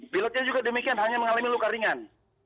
pilotnya juga demikian hanya mengalami luka ringan